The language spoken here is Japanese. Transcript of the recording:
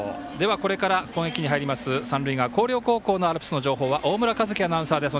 これから攻撃に入ります、三塁側広陵高校のアルプスの情報は大村和輝アナウンサーです。